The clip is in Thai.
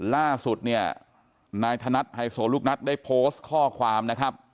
ล่าสุดเนี่ยนายธนัดไฮโซลูกนัดได้โพสต์ข้อความนะครับ